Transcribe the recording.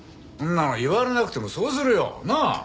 そんなの言われなくてもそうするよ！なあ？